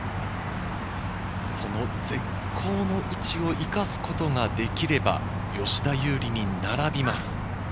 絶好の位置を生かすことができれば、吉田優利に並びます。